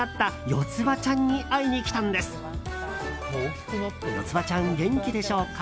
ヨツバちゃん、元気でしょうか？